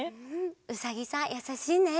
うさぎさんやさしいね。